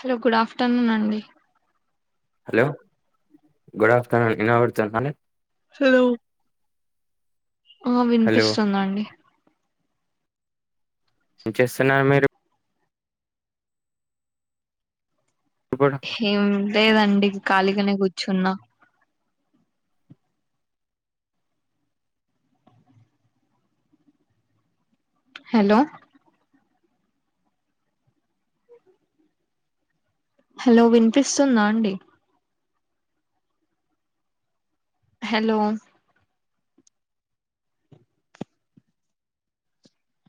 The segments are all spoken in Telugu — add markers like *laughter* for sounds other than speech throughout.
హలో గుడ్ ఆఫ్టర్నూన్ అండి హలో గుడ్ ఆఫ్టర్నూన్ ఇనోవడుతోంద హలో ఆ హలో వినిపిస్తుందండి ఏం చేస్తున్నారు మీరు ఇప్పుడు ఏం లేదండి ఖాళీగానే కూర్చున్నా హలో హలో విన్పిస్తుందా అండి హలో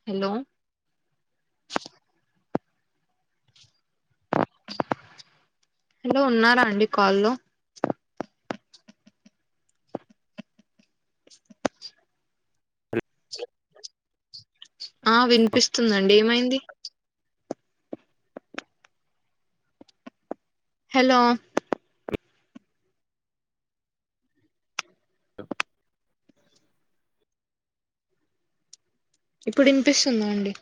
హలో హలో ఉన్నారా అండి కాల్లో? ఆ వినిపిస్తుందండి ఏమైంది హలో ఇప్పుడు వినిపిస్తుందా అండి?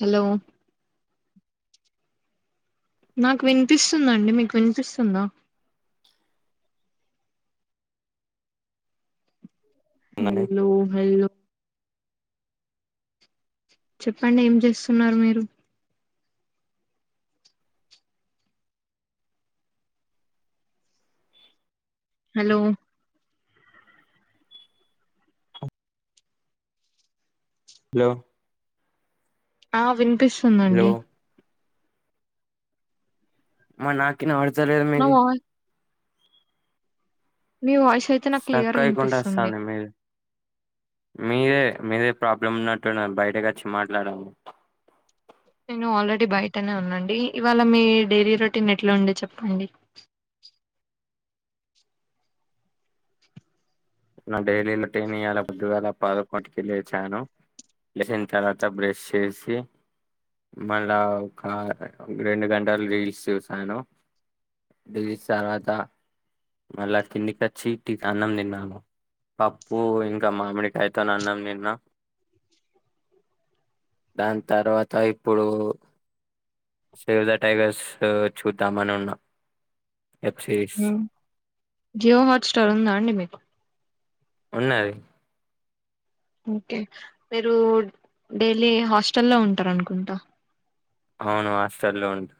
హలో నాకు వినిపిస్తుందండి మీకు వినిపిస్తుందా హల్లో హల్లో చెప్పండి ఏం చేస్తున్నారు మీరు హలో హలో ఆ హలో వినిపిస్తుందండి మా నాకిన వాడచలేదు మీ నా వాయి మీ వాయిస్ అయితే నాకు స్ట్రక్ క్లియర్గా అయికుండా వినిపిస్తుంది వస్తాంది మీరు మీరే మీదే ప్రాబ్లమ్ ఉన్నట్టు బయటకి వచ్చి మాట్లాడాలి నేను ఆల్రెడీ బయటనే ఉన్నాండి ఇవాళ మీ డైరీ రొటీన్ ఎట్లా ఉండే చెప్పండి? *inaudible* నా డైల్లీలో ట్రేనియాల పొద్దుగాల పాదుకోటికిళ్ లేచాను లేసిన్ తర్వాత బ్రెస్స్ ఎసి మళ్ళా ఒక రెండు గంటలు రీల్స్ చూసాను జ తర్వాత మళ్ళ కిందికచ్చి అన్నం తిన్నాను పప్పు ఇంకా మామిడికాయతోన అన్నాం తిన్న దాని తర్వాత ఇప్పుడు సేవద టైగర్స్ చూద్దాం అని ఉన్నా వెబ్ సిరీస్ ఆ జియో హాట్స్టార్ ఉందా అండి మీకు? ఉన్నది ఓకే మీరు డైలీ హాస్టల్ల్లో ఉంటార అనుకుంటా అవును ఆస్టర్లు ఉండు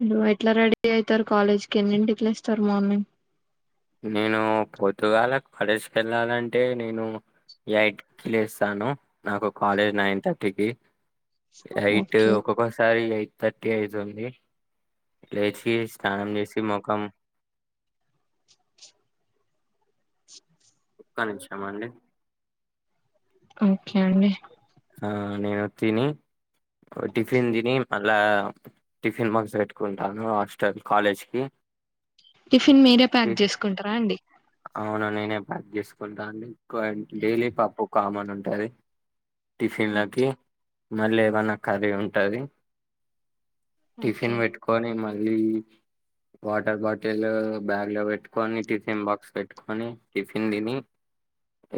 మీరు ఎట్లా రెడీ అవుతారు కాలేజ్కి, ఎన్నింటికి లేస్తారు మార్నింగ్? నేను పొద్దుగాల పడేసి వెళ్ళాలంటే నేను ఎయిట్ కి లేస్తాను నాకు కాలేజ్ నైన్ థర్టీకి ఎయిట్ ఓకే ఒక్కొక్కసారి ఎయిట్ థర్ టి అయితుంది లేచి స్నానం చేసి ముఖం *inaudible* ఆ చూసాం అండి ఓకే అండి ఆ నేను తిని టిఫిన్ తిని మళ్ళా టిఫిన్ బక్స్ పెట్టుకుంటాను హాస్టల్ కాలేజ్ కి టిఫిన్ మీరే ప్యాక్ జేసుకుంటరా అండి అవును నేనే *unintelligible* చేసుకుంటా అండి డైలీ పప్పు కామన్ ఉంటుది టిఫిన్లకి మళ్ళీ ఏమన్నా కర్రీ ఉంటాది. ఓకే టిఫిన్ పెట్టుకుని మా లి వాటర్ బాటిల్ బ్యాగ్ లో పెట్టుకని టిఫిన్ బాక్స్ పెట్టుకొని టిఫిన్ తిని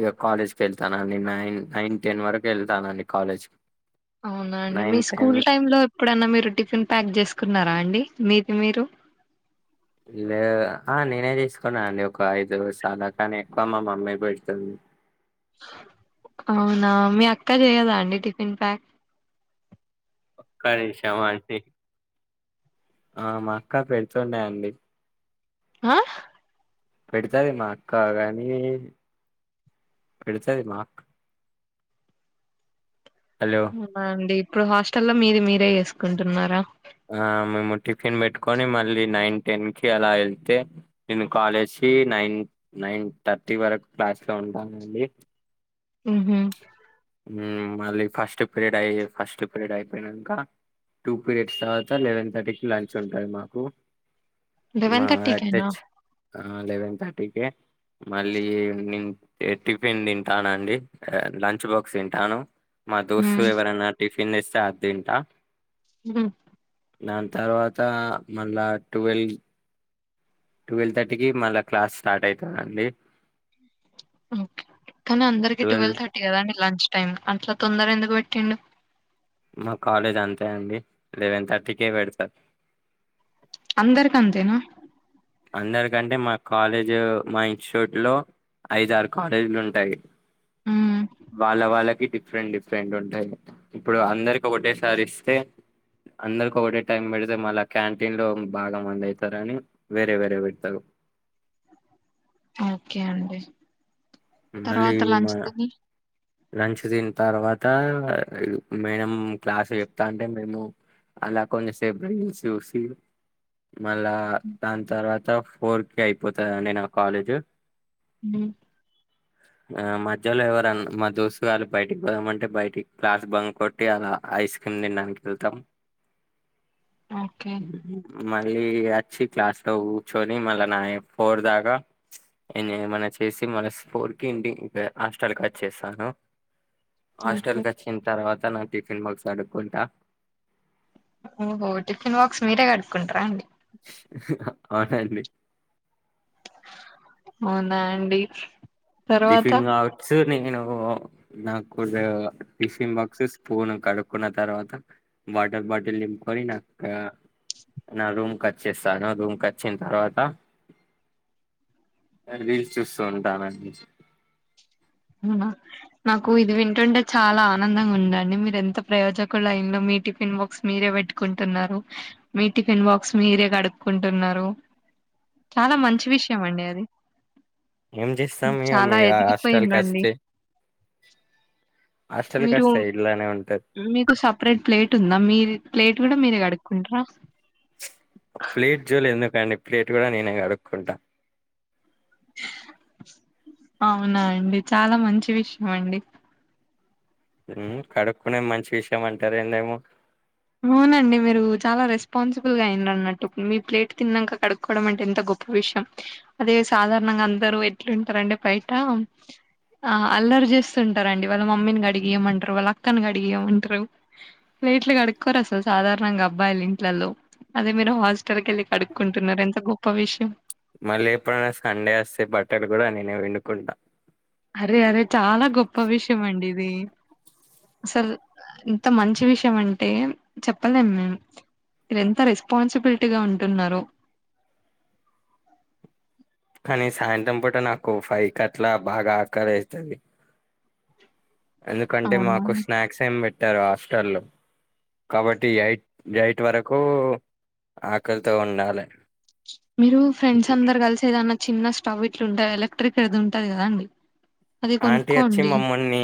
ఇక కాలేజ్ క వెళ్తానండి నైన్ నైన్ టెన్ వరకు వెళ్తానండి కాలేజ్ కి అవునా అండి మీ స్కూల్ టైమ్ లో ఎప్పుడైనా మీరు టిఫిన్ ప్యాక్ చేసుకున్నారా అండి మీది మీరు లే ఆ నేనే తీసుకున్నా అండి ఒక ఐదు సాలా కానీ ఎక్కువ మా మమ్మీ పెడుతుంది అవునా మీ అక్క చేయదా అండి టిఫిన్ ప్యాక్ ఒక్క నిముషా అండీ అది ఆ మా అక్క పెడుతుండాయండి ఆ పెడతది మా అక్క గాని పెడుతది మాక్ అవునా అండి ఇప్పుడు హాస్టల్ లో మీది మీరే చేసుకుంటున్నారా ఆ మేము టిఫిన్ పెట్టుకొని మళ్ళీ నైన్ టెన్ కి అలా వెళ్తే నేను కాలేజ్ నైన్ నైన్ థర్టీ వరకు క్లాస్ లో ఉండాలండి ఉహు మళ్ళీ ఫస్ట్ పీరియడ్ అయి ఫస్ట్ పీరియడ్ అయిపోయినాక టూ పీరియడ్స్ తర్వాత లెవెన్ థర్టీకి లంచ్ ఉంటుంది మాకు మాచ్ ఆ లెవెన్ థ టిక మళ్ళీ టిఫిన్ తింటానుండి లంచ్ బాక్ తింటాను మా దోస్తు హ్మ్. ఎవరైనా టిఫిన్ తెస్తే అది తింటా ఉ దాని తర్వాత మళ్ళా ట్వెల్వ్ ట్వెల్వ్ థర్టీకి మళ్ళా క్లాస్ స్టార్ట్ అవుతుందిండి ఓకే కానీ అందరికి ట్వెల్వ్ థర్టీ కదా అండి లంచ్ టైమ్ అట్లా తొందర ఎందుకు పెట్టిండు మా కాలేజ్ అంతే అండి లెవెన్ థర్టీకే పెడతారు అందరకి అంతనా అందరికంటే మా కాలేజ్ మా ఇన్స్టిట్యూట్ లో ఐద ఆరు కాలేజీలు ఉంటాయి హ్మ్. వాళ్ళ వాళ్ళకి డిఫరెంట్ డిఫరెంట్ ఫ్రెండ్ ఉంటాయి ఇప్పుడు అందరికి ఒకటేసారి ఇస్తే అందరుకి ఒకటే టైం పెడితే మళ్ళా క్యాంటీన్ లో బాగా మంది అవుతారుని వేరే వేరే పెడతారు ఓకే అండి మళ్ళీ తర్వాత మా లంచ్ తిని లంచ దన్ తర్వా త మేనం క్లాస్ చెప్తా అంటే మేము అలా కొన్ని సేపు రీల్స్ చూసి మళ్ళా దాని తర్వాత ఫోర్ క అయిపోతందిండి నా కాలేజు ఉ ఆ మధ్యలో ఎవరన్నా మా దోస్త్ గాళ్ళు బయటికి పోదమంటే బయటికి క్లాస్ బంగ్ కొట్టి అలా ఐస్ క్రీమ్ తిన్నడానికి వెళ్తాం ఓకే. మళ్ళీ అచ్చి క్లాస్ లో కూచున్ని మ నా ఫోర్ దాక న ఏమై చేసి మన స్ ఫోర్ కి ఇంటి హస్టల్ కట్ చేస్తాను ఓకే. హాస్టల్కి వచ్చిన తర్వాత నా టిఫిన్ బాక్స్ అడుక్కుంటా ఓహో టిఫిన్ బాక్స్ మీరే కడుకుంటారా అండి అవునండి అవునా అండి తర్వాత టిఫిన్ కావచ్చు నేను నాకు టిషిన్ బాక్స్ స్పూన్ కడుక్కున్న తర్వాత వాటర్ బాటిల్ నింపు పోరినక్క నా రూమ్కి వచ్చేస్తాను రూమ్కి వచ్చిన తర్వాత రీల్స్ చూస్తూ ఉంటానండి అవునా నాకు ఇది వింటుంటే చాలా ఆనందంగా ఉందండి మీరు ఎంత ప్రయోజకులలైన్లో మీటి టిఫిన్ బాక్స్ మీరే పెట్టుకుంటున్నారు మీ టిఫిన్ బాక్స్ మీరే కడుక్కుంటున్నారు చాలా మంచి విషయం అండి అది ఏం జేస్తాం చాలా ఇగ హాస్టల్కి ఎదిగిపోయిందండి వస్తే హాస్టల్కి మీరు వస్తే ఇలానే ఉంటది మీకు సపరేట్ ప్లేట్ ఉందా మీర్ ప్లేట్ కూడా మీర కడుక్కుంటరా ప్లేట్ జోలే ఎందుకండి ప్లేట్ కూడా నేనే కడుక్కుంటా అవునా అండి చాలా మంచి విషయం అండి కడుక్కునే మంచి విషయం అంటారు ఏందేమో అవునండి మీరు చాలా రెస్పాన్సిబుల్గా అయిన అన్నట్టు మీ ప్లేట్ తిన్నాక కడుక్కోవడం అంటే ఎంత గొ విషయం అదే సాధారణంగా అందరు ఎట్లుంటారండి బయట ఆ అల్లరి చేస్తుంటారు అండి వాళ్ళ మమ్మీని కడిగియమంటారు వాళ్ళ అక్కని కడిగియమంటారు ప్లేట్లు కడుక్కోరు అసలు సాధారణంగా అబ్బాయిలు ఇంట్లల్లో అదే మీరు హాస్టల్కి వెళ్ళి కడుక్కుంటున్నారు ఎంత గొప్ప విషయం మళ్ళీ ఎప్పుడైనా సండే వస్తే బట్టలు కూడా నేనే విండుకుంటా అరే అదే చాలా గొప్ప విషయం అండి ఇది సర్ ఇంత మంచి విషయం అంటే చెప్పలేం మేము మీరు ఎంత రెస్పాన్సిబిలిటీగా ఉంటున్నారు నే సాయంత్రం పూట నాకు ఫైకట్లా బాగా ఆకలేస్తుంది ఎందుకంటే అవునా మాకు స్నాక్స్ ఏం పెట్టరు హాస్టల్లో కాబట్టి ఎయిట్ ఎయిట్ వరకు ఆకలితో ఉండాలి మీరు ఫ్రెండ్స్ అందరు కలిసి ఏదాన్న చిన్న స్టవ్ ఇట్లు ఉంటాయి ఎలక్ట్రిక్ అది ఉంటది కదా అండి అది ఆంటీ వచ్చి కొనుక్కోండి మమ్మల్ని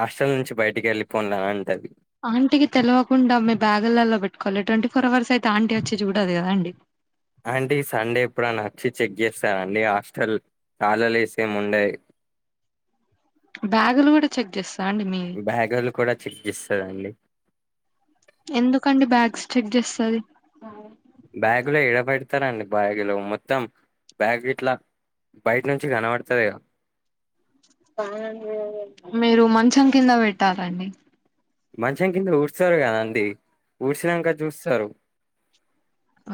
హాస్టల్ నుంచి బయటికి వెళ్ళిపోన్డి ఆంటది ఆంటీకి తెలివకుండా మీ బ్యాగులలో పెట్టుకోవాలి ట్వంటీ ఫోర్ అవర్స్ అయితే ఆంటీ వచ్చి చూడదు కదా అండి అంటీ సండే ఎప్పుడన్న వచ్చి చెక్ చేస్తార అండి హాస్టల్ కాలలేసేం ఉండయి బ్యాగులు కూడా చెక్ చేస్తా అండి మీ బ్యాగులు కూడా చికిిస్తదండి ఎందుకండి బ్యాగ్స్ చెక్ జేస్తది బ్యాగులో ఏడబెడతారండి బ్యాగులు మొత్తం బ్యాగ్ ఇట్లా బయట నుంచి ఘన పడతదిగా మీరు మంచం కింద పెట్టాలండి మంచం కింద ఊడ్స్తారు కదా అండి ఊడ్సినంక చూస్తారు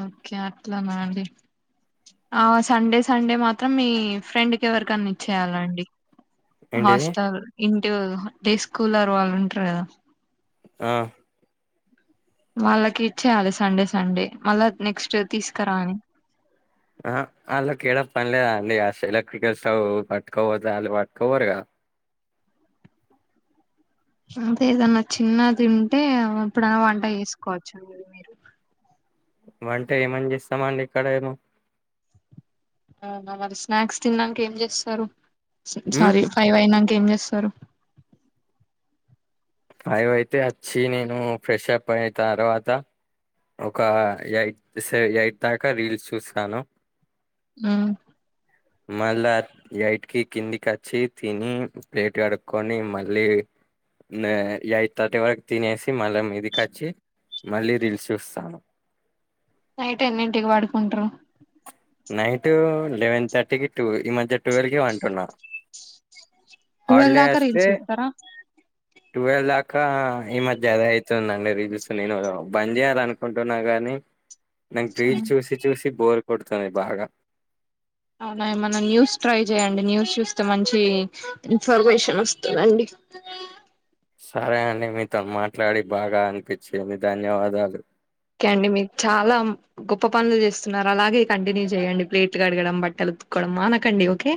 ఓకే అట్లనా అండి ఆ సండే సండే మాత్రం మీ ఫ్రెండ్ కి ఎవరికన్న ఇచ్చేయాలండి ఏంటిది హాస్టల్ ఇంటు డే స్కూల్ర్ వాళ్ళు ఉంటారు కదా ఆ వాళ్ళకి ఇచ్చేయాలి సండే సండే మళ్ళా నెక్స్ట్ తీసుకురాని ఆ అలాకి పని లేదండి అసలే ఎలక్ట్రికల్ స్టవ్ పట్కపొతే అళ్ళు పట్కవర్గా అదే ఏదన్నా చిన్న తింటే ఎప్పుడైన్నా వంట చేసుకోవచ్చు అ మీరు అరిటికాయ్ వంట ఏమం ఇస్తామ అండి ఇక్కడ ఏమో అవునా మరి స్నాక్స్ తినడానికి ఏం చేస్తారు స్ మ్మ్ సారీ ఫైవ్ అయినా కేం చేస్తారు ఫైవ్ అయితే అచ్చి నేను ఫ్రెష్ అప్ అయి తర్వాత ఒక ఎయిట్ స ఎయిట్ దాకా రీల్స్ చూస్తాను. ఆ మళ్ళా ఎయటికి కిందికి అచ్చి తిని ప్లేట్ కడుక్కకొని మళ్ళీ న ఎయిట్ తటి వరకు తినేసి మళ్ళ మిదికచ్చి మళ్ళి రీల్స్ చూస్తాను. నైట్ ఎన్నింటికి పడుకుంటరు? నైన్ లెవెన్ థర్టీకి టు ఈ మధ్య టువెల్వ్ కి అంటున్నా ట్వెల్వ్ హాలిడే దాకా అస్తే రీల్స్ చూస్తారా ట్వల ఇంకా ఈ మధ్య అదే అయితుందండి రిలుస్ నేను బంద్ చేయాలి అనుకుంటున్నా గానీ నాకు డ్రీల్ ఉమ్, చూసి చూసి బోర్ కొడుతాది బాగా అవునా ఏమన్నా న్యూస్ ట్రై చేయండి. న్యూస్ చూస్తే మంచి ఇన్ఫర్మేషన్ వస్తుందండి. కొత్తదా సరే అండి మీతో మాట్లాడి బాగా అనిపించింది ధన్యవాదాలు ఓకే అండి మీకు చాలా గొప్ప పనులు చేస్తున్నారు. అలాగే కంటిన్యూ చేయండి ప్లేట్లు కడగడం బట్టలు కొడం మానకండి ఓకే